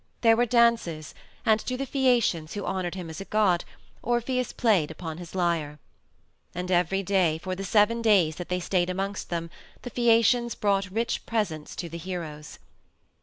There were dances, and to the Phaeacians who honored him as a god, Orpheus played upon his lyre. And every day, for the seven days that they stayed amongst them, the Phaeacians brought rich presents to the heroes.